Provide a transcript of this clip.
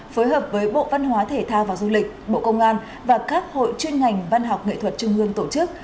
phối hợp với bộ văn hóa thể thao và du lịch bộ công an và các hội chuyên ngành văn học nghệ thuật trung ương tổ chức